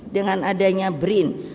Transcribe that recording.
dengan adanya brin